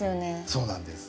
そうなんです。